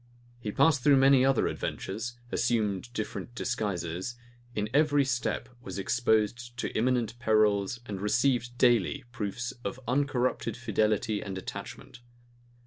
He passed through many other adventures; assumed different disguises; in every step was exposed to imminent perils and received daily proofs of uncorrupted fidelity and attachment.